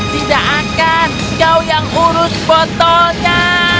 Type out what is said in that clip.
tidak akan kau yang urus botolnya